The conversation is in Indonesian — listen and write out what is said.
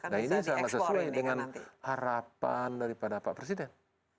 nah ini sangat sesuai dengan harapan daripada pak presiden